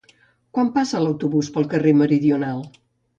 Quan passa l'autobús pel carrer Meridional?